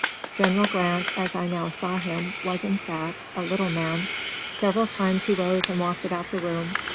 General Grant, as I now saw him, was, in fact, a little man. Several times he rose and walked about the room.